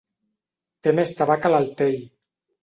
Té més tabac a l'altell.